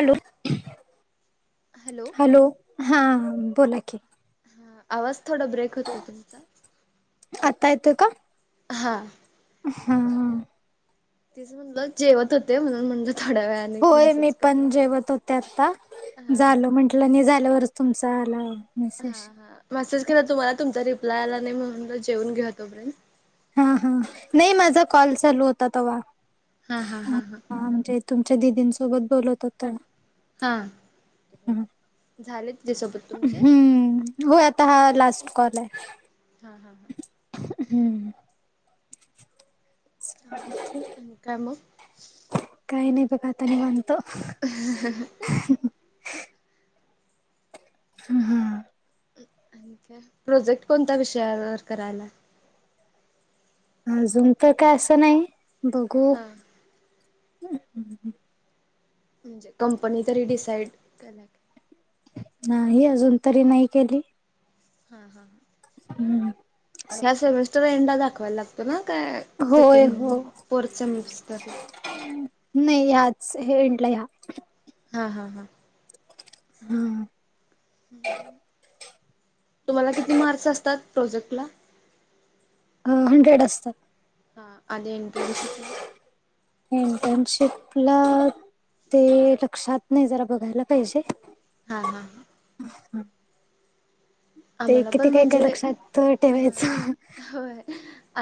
Hello. Hello. Hello, हा बोला की. हा, आवाज थोडा ब्रेक होतो तुमचा. आता येतय का. हा. हा हा तिच म्हणलं, जेवत होते, म्हणून म्हणजे थोड्या वेळा. होय, मी पण जेवत होते आता, हा हा झाल म्हटल मी झाल्यावरच तुमचा आलय हा-हा मेसेज केला तुम्हाला, तुमचा रिप्लाय आला नाही म्हणून जेऊन घ्या तोपर्यंत हा-हा, नाही माझा कॉल चालू होता तेव्हा हा-हा-हा-हा तुमच्या दिदीन सोबत बोलत होत हा, झाले तिच्या सोबत तुमचे हो आता हा लास्ट कॉल आहे हा-हा-हा. हम्म. आणि काय मग काही नाही बघा आता निवांत. हह, [unintelligible] हा प्रोजेक्ट कोणत्या विषयावर करायला अजून तर काय असं नाही, बघू हा म्हणजे कंपनी तरी डिसाईड नाही, अजून तरी नाही केली हा-हा हम्म ह्या सेमेस्टर एंडा दाखवायला लागतो ना, काय होय सेकंड हो फोर्थ सेमेस्टर नाही ह्याच, हे एन्डल या हा-हा-हा,, हा-हा तुम्हाला किती मार्क्स असतात प्रोजेक्ट ला अ हंड्रेड असतात. हा आदी इंट्रनशिपला. हम्म इंटर्नशिपला ते लक्षात नाही जरा बघायला पाहिजे. हा हा. [unintelligible] ते आम्हाला पण किती काय काय म्हणजे लक्षात हा ठेवायचं होय.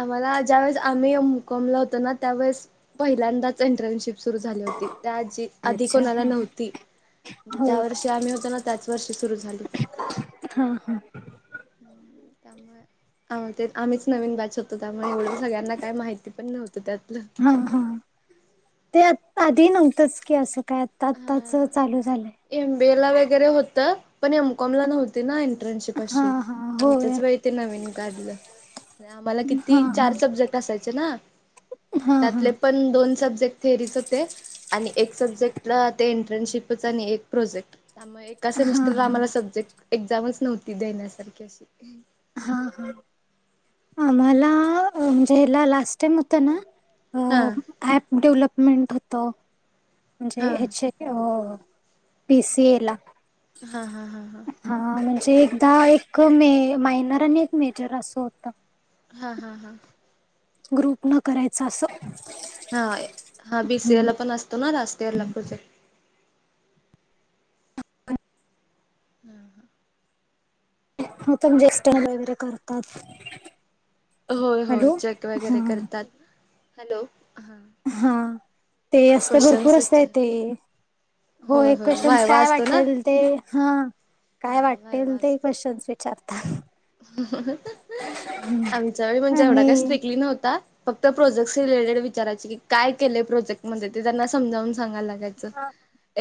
आम्हाला ज्या वेळेस आम्ही एम कॉम ला होतो ना त्यावेेळेस पहिल्यांदाच इंट्रनशिप सुरू झाली होती त्या आजी आधी अच्छा कोणाला हा नव्हती. ज्या होय वर्षी आम्ही होतो ना त्याच वर्षी सुरू झालीत. हा हा. त्यामुळे अ ते आम्हीच नवीन बॅच होतो त्यामुळे एवढं सगळ्यांना काही माहिती पण नव्हतं त्यातलं. ह हा ते आधी नव्हतंच की असं काय आता आत्ताच हा चालू झालंय. एम बी ए ला वगैरे होतं पण एम कॉम ला नव्हती ना इंट्रनशिप हा पशी हा होय आमचस वेळी ते नवीन काढलं आम्हाला हा किती हा चार सब्जेक् ट असायच ना हा हा त्यातले पण दोन सब्जेक्ट थेअरीच होते आणि एक सब्जेक् टला इंट्रनशिपच आणि एक प्रोजेक्ट त्यामुळे एका हा सेमिस्टरला हा आम्हाला सब्जेक् एक्झामच नव्हती देण्यासारखी अशी. हा हा आम्हाला म्हणजे ह्याला लास्ट टाइम होता ना हां. ऍप डेव्हलपमेंट होत म्हणजे हा हेचे हो हो पी सी ए ला. हा हा हा हा. हा म्हणजे एकदा एक मे मायनर आणि एक मेजर असं होतं. हा हा हा. ग्रुप नं करायच असं. हा हा बी सी ए ला पण असतो ना लास्ट इयरला प्रोजेक्ट. हां हा. उतम ज्येष्ठण वगैरे करतात. होय होय हॅलो चेक हा वगैरे करतात हॅलो हा. हा ते असतं भरपूर असतय विचार ते. हो होय होय क्वेशचन्स व्हायवा काय असतो ना वाटेल ते हा हा काय व्हायवा वाटतेल ते असतो. क्वेशचन्स चारता आमच्या वेळी म्हणजे एवढा काय आणि स्ट्रिकली नव्हता. फक्त प्रोजेक्टस रिलेटेड विचारायचे की काय केलेय प्रोजेक्ट मध्ये ते त्यां समजावून सांगाय लाग याच्या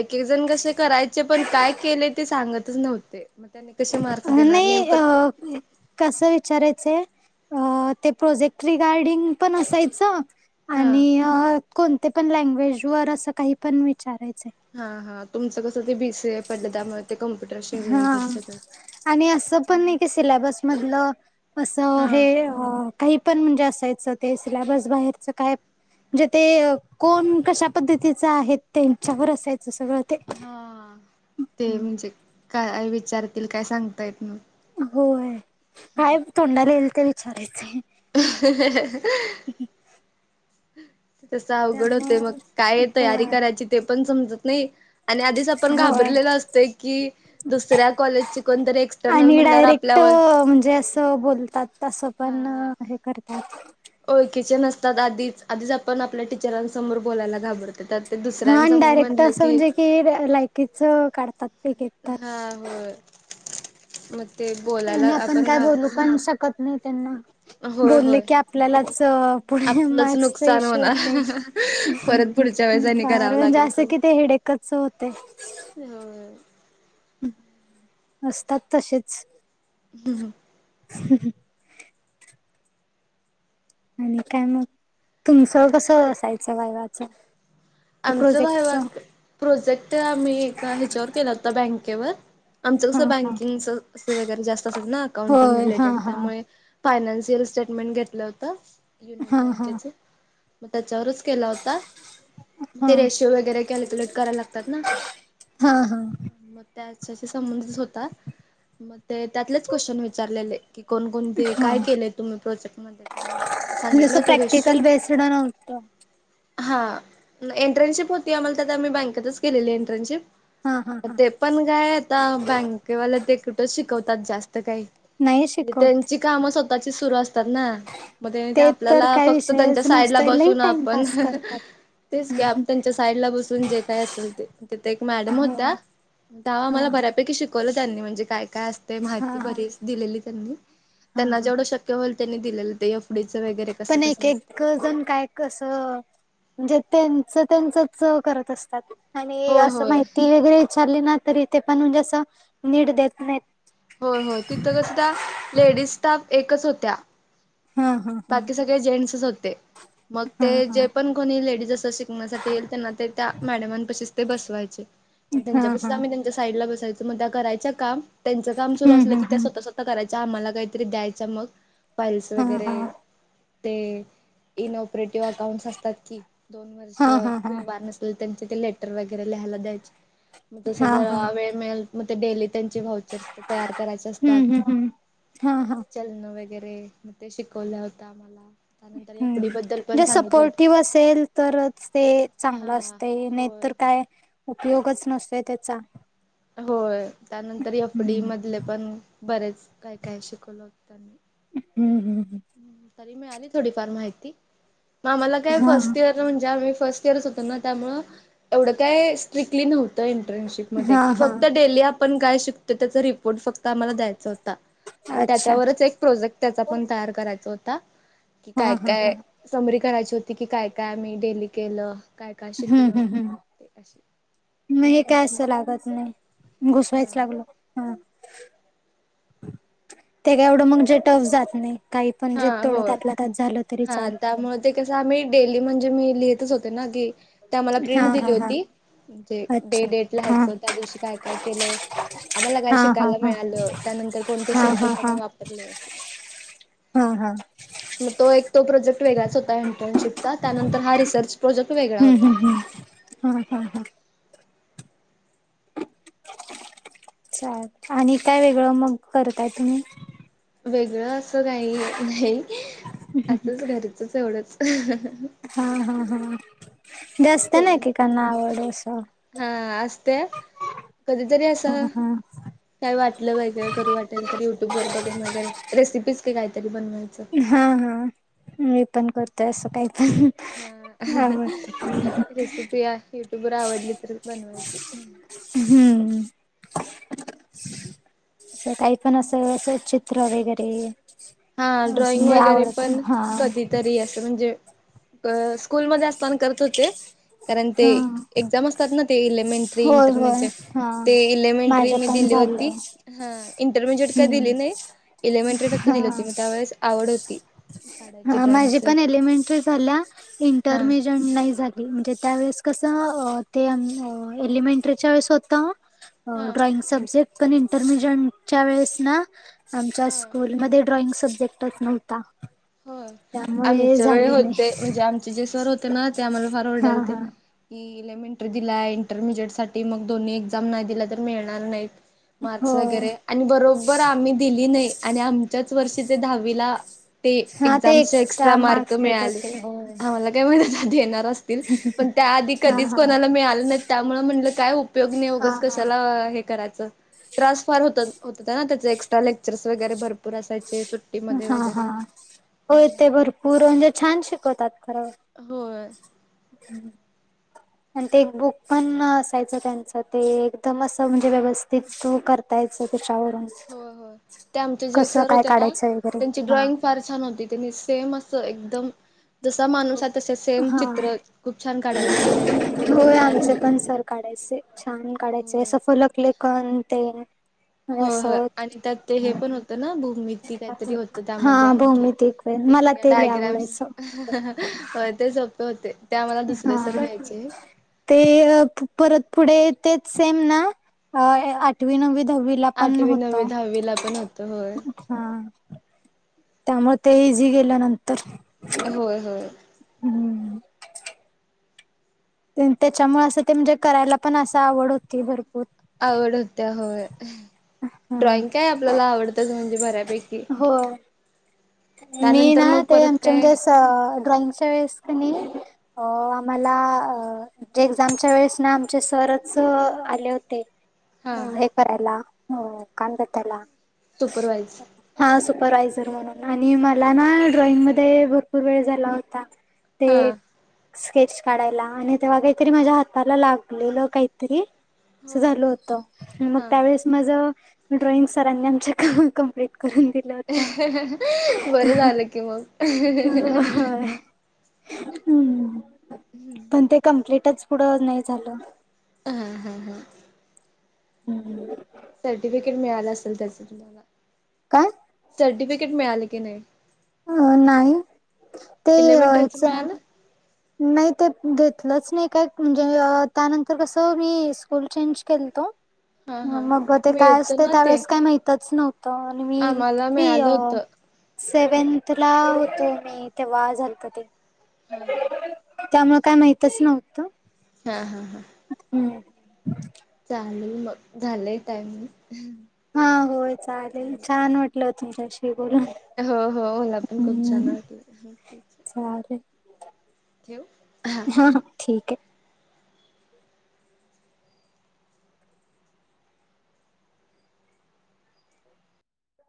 एक-एक जण कसे करायचे पण काय केले ते सांगतच नव्हते. मगत्यांनी कशे मार्क्स देणार नेमकं ओके. कसं विचारायचं अ ते प्रोजेक्ट रिगार्डिंग पण असायचं हा आणि अ कोणते पण लँग्वेज वर असं काही पण विचारायचंय. हा हा तुमचं कसं ते बी सी ए पडलं त्यामुळे ते कम्प्युटर शे हा रिलेटेड सगळच आणि असं पण नाही की सिलॅबस मधलं असं हा हे हा काही पण म्हणजे असायचं ते सिलॅबस बाहेरचं काय म्हणजे ते कोण कशा पद्धतीच आहेत तेंच्यावर असायचं सगळं ते हा ते म्हणजे काय विचारतील काय सांगता येत नं होय काय तोंडाला येईल ते विचारायचंय. [unintelligible] तस अवघड होतय मग काय त्यामुळे तयारी होय करायची ते पण समजत नाय आणि आधीच आप आपण होय घाबरलेली असतोय की दुसऱ्या कॉलेज ची कोण तर एक्स्टर्नल म्हणल्यावर आप ट म्हणजे अस बोलतात तसं पण हा. हे करतात. ओळखीचे नसतात आधीच आधीच आपण आपल्या टीचरांसमोर बोलाला घाबरतो त्यात ते हा आणि दुसऱ्यांसमोर डायरेक्ट म्हणलं असं की म्हणजे की लायकीच काढतात एकएक तर हा होय. म ते बोलायला आणि आपण काय घाब बोलू पण शकत नाय त्यांना होय बोलले होय. की आपल्यालाच पुढे आपलंच मार्क्सचा नुकसान इशू होणार होतय. परत पुढच्या वेळेस आणि फार करावं म्हणजे लागेल अस पण की ते हिडेकच होतय. होय. असतात तसेच [unintelligible] [unintelligible] आणि काय मग तुमचं काय कस असायचं वायवाच आमच वायवा प्रोजेक्ट आम्ही एका ह्याच्यावर केला होता बँकेवर आमचं हा कसं हा बँकिंगच अस वगैरे जास्त असाच न अकाउंटिंग होय हा रिलेटेड हा त्यामुळे फायनान्शियल स्टेटमेंट घेतलं होत युनियन हा हा बँकेच म त्याच्यावरच केला होता. हा ते रेशो वगैरे कॅल्क्युलेट कराला लागतात ना हा म त्याच्याशी संबंधित होता म ते त्यातलेच क्वेशन विचारलेले की कोणकोणते हा काय केलेय तुम्ही प्रोजेक्ट मध्ये तेण म्हणून सांगितलं जसं होतें रेश प्रॅक्टिकल बेस्ड [inaudible] हा एंटर्नशिप होती आम्हाला त्यात आम्ही बँकेतच केलेली एंटर्नशिप हा हा म हा ते पण काय आता बँकेवाल्या ते कुट काय शिकवतात जास्त काय नाही म्हणजे शिकवत त्यांची काम स्वतःची सुरू अस तात ना म त्यांनी ते तर आपल्याला काय फक्त त्यांच्या विषयच साईड ला नसतोय लई बसून आपण टाइमपास करतात तेच की आप त्यांच्या साईडला बसून जे काय असल ते तिथ एक मॅडम हो होत्या त्या हा आम्हाला हा बऱ्यापैकी शिक शिकवलं त्यांनी म्हणजे काय काय असते माहिती हा बरीच दिलेली त्यांनी हा त्यांना हा जेवढं शक्य क्य होईल त्यांनी दिलेलं ते एफ डीच वगैरे कसं कसंं असत. कजन काय कसं म्हणजे त्यांच त्यांचच करत असतात. आणि होय असं होय माहिती वगैरे विचारली ना तरी ते पण म्हणजे असं नीट देत नाहीत. होय होय तिथं कस त्या लेडीज स्टाफ एकच होत्या. हा हा हा बाकी सगळे जेंट्सच होते मग हा ते जे पण कोणी लेडीज अस शिक कण्यासाठी येईल त्यांना ते त्या मॅडमांपाशीच तें बसवायचे. म हा हा त्याच्यापाशीच हा आम्ही त्यां च्या साइडला बसायचो म त्या करायच्या काम त्याचं काम सुरू हम्म असलं हम्म की त्या हम्म स्वतः स्वत ता करायच्या आम्हाला काय तरी द्यायच्या मग फाईल्स हा वगैरे हा ते इनऑपरेटिव्ह अकाउंट् असतात की दोन वर्ष हा हा हा व्यवहार नस त्यांचे तें लेटर वगैरे लिहायला द्यायचे म तस हा हा जरा वेळ मिळेल म ते डेली त्यांचे व्हाउचर त तयार करायचे असतात. हा-हा. चलन वगैरे, मग ते शिकवल्या होत आम्हाला, त्यानंतर या हम्म. एफ-डी बद्दल. म्हणजे सपोर्टिव्ह असेल तरच ते चांगलं हा असते नाही होय. तर काय. उपयोगच नसतोय त्याचा. होय, त्यानंतर एफ-डी हम्म मधले पण बरेच काय-काय शिकवलं होत त्यांनी. हम्म-हम्म-हम्म. तरी मिळाली थोडीफार माहिती, मग आम्हाला काय हा फर्स्ट इयर म्हणजे आम्ही फर्स्ट इयरच होतो ना, त्यामुळे एवढं काय स्ट्रिकटली नव्हत इंटर्नशिप मध्ये, हा कि हा फक्त डेली आपण काय शिकतो त्याचा रिपोर्ट फक्त आम्हाला द्यायचा होता. आणि अच्छा त्याच्यावरच एक प्रोजेक्ट त्याचा पण तयार करायचा होता, की हा हा हा काय-काय. समरी करायची होती की काय-काय आम्ही डेली केलं. काय काय शिकलं. हम्म-हम्म-हम्म, ते अशी मग हे काय असं लागत नाही. घुसवायच हा लागलो. हा, ते काय एवढं मग जेट हाऊस जात नाही. काही पण जे हा थोडं होय. त्यातला त्यात झालं तरी हा चालत. त्यामुळे ते कस आम्ही डेली म्हणजे मी लिहितच होते ना, की ते आम्हाला हा प्रिंट दिली हा हा होती. म्हणजे डे, अच्छा डेट हा लहायचं, त्या दिवशी काय-काय केलं. आम्हाला काय हा हा शिकायला मिळालं, त्यानंतर कोणते सोर्सेस आम्ही वापरले, अस. हा-हा मग तो एक, तो प्रोजेक्ट वेगळाच होता इंटर्नशिपचा, त्यानंतर हा रिसर्च प्रोजेक्ट वेगळा होता. हा-हा-हा. छान आणि काय वेगळं मग करताय तुम्ही? वेगळं असं काही नाही, असंच घरचच एवढंच. हा-हा-हा, जास्त ना एकेकांना आवड असं. हा असत्या, कधीतरी हा असं. हा काय वाटलं पाहिजे करू वाटेल तर युट्यूब वर बघून वगैरे, रेसिपीज काय काहीतरी बनवायचं. हा-हा, मी पण करते असं काही तरी. हा, रेसिपी आहे, युट्युबवर आवडली तर बनवायची. हम्म. सकाळी पण असं, असं चित्र वगैरे. हा असं ड्रॉइंग म्हणजे वगैरे आवडतं पण, हा कधीतरी असं म्हणजे. अ स्कूलमध्ये असताना करत होते. कारण ते, हा एक्झाम असतात ना ते एलिमेंट्री, होय होय इंटरमिजिएट हा ते एलिमेंट्री माझे मी पण दिली झालं होती. हा, इंटरमिजेएट का दिली हम्म नाही, इलेमेंटरी फक्त हा दिली होती, त्यावेळेस आवड होती. काढायची माझी ड्रॉइंगच पण इलिमेंट्रि झाल्या, हा इंटरमेजेन्ट नाही झाली. म्हणजे, त्यावेळेस कसं ते एलिमेंटरीच्या वेळेस होत. हा ड्रॉइंग सब्जेक्ट पण इंटरमिजेटच्या वेळेस ना. आमच्या हा स्कूलमध्ये ड्रॉइंग सब्जेक्टच नव्हता. होय, त्यामुळे आमच्या वेळी झाले नाही होते, म्हणजे आमचे जे सर होते ना ते आम्हाला फार हा ओरडाल ते. हा की इलेमेंट्री दिलाय, इंटरमिजेएट साठी मग दोन्ही एक्झाम नाही दिला तर मिळणार नाहीत. माकर्स होय वगैरे आणि बरोबर आम्ही दिली नाही, आणि आमच्याच वर्षी ते दहावीला ते हा ते एक्झामच एक्स्ट्रा मार्क मार्क्स देत मिळाले, होते होय आम्हाला काय माहित देणार असते पण त्या आधी हा कधीच हा. कोणाला मिळालं नाही, त्यामुळे म्हंलं काय उपयोग नाही हा उगच हा. कशाला हे करायच च. ट्रान्सफार होत होता ना, त्याचे एक्स्ट्रा लेक्चर्स वगैरे भरपूर असयचे सुट्टीमध्ये हा हा वगैरे. होय ते त्यामुळे भरपूर म्हणजे छान शिकवतात खरं. होय. हम्म हम्म. आणि ते एक बुक पण असायचं त्यांचं. ते एकदम अस म्हणजे व्यवस्थित तू कर [inaudible] दयायच त्याच्यावरून. होय होय ते आमचे जे कसं सर काय होते ना काढायचं वगैरे त्यांची हा. ड्रॉइंग फार छान होती. त्यांनी सेम असं एकदम जसा माणूस आहे. तसे सेम हा चित्र खूप छान काढायचे. होय त्या आमचे पण सर काढायचे. छान काढायचे. होय सफोलकलक कण तेण [inaudible] होय होय आणि त्यात ते हे पण होत ना. बु [inaudible] ती काहीतरी होत हा त्यामध्ये. आहे की भौमितिक ते मला सगळ्या लय डायग्राम्स. आवडायचं होय तेच होत. होते. ते आम्हाला दुसरे सर हा. घ्यायचे. ते परत पुढे तेच सेम ना. आ [inaudible] आठवी नवी दहावीला पण आठवी होत. नववी दहावीला पण होतं होय हा त्यामुळे ते इझी गेल नंतर. होय -होय. हम्म. त्यानं त्याच्यामुळे असं ते म्हणजे करायला पण असं आवड होती भरपूर. आवड होत्या होय. हा. ड्रॉइंग काय आपल्याला आवडत्याच म्हणजे बऱ्यापैकी. हो मी त्यानंतर ना मग ते परत आमच्या काय म्हणजे ड्रॉइंगच्या वेळेस कनी अ आम्हाला अ जे एक्झामच्या वेळेस ना आमचे सरच आले होते. हा हे करायला हम्म. काय म्हतेला? [unintelligible] सुपरवाज. हा सुपरव्हायझर म्हणून. आणि मला ना ड्रॉइंग मध्ये भरपूर वेळ झाला होता. हा ते स्केच काढायला. आणि तेव्हा काहीतरी माझ्या हाताला लागलेलं काहीतरी. अस होय झालं होत. मग हा त्यावेळेस माझं ड्रॉइंग सरांनी आमच्या कंप्लीट करून दिलं. होतं. बरं झालं की मग. हम्म. पण ते कंप्लीटच पुढं नाही झालं. ह ह ह. हम्म हम्म. सर्टिफिकेट मिळाला असेल त्याचं तुम्हाला? काय? सर्टिफिकेट मिळाले की नाही? अ नाही. ते इलेव्हनथच ह्यच मिळालं नाही ते घेतलंच नाही. काय म्हणजे त्यानंतर कसं मी स्कूल चेंज केलत. हा हा मग ते काय मिळत असते ना ते त्यावेेळेस काय माहितच नव्हतं. आणि आम्हाला मी मिळालं अ होत सेवन्थ ला होतो मी. तेव्हा झालत ते. हम्म हम्म. त्यामुळं काय माहितच नव्हतं. ह ह ह. हम्म. चालेल मग झालंय टाइम. हा होय चालेल. छान वाटलं तुमच्याशी बोलून. हो हो मला पण खूप छान हम्म. वाटल. चालेल [inaudible] हा हा ठीक आहे.